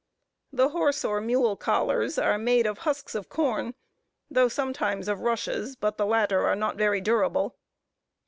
The horse or mule collars are made of husks of corn, though sometimes of rushes, but the latter are not very durable.